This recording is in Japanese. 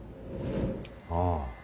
ああ。